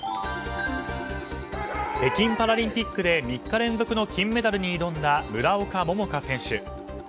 北京パラリンピックで３日連続の金メダルに挑んだ村岡桃佳選手。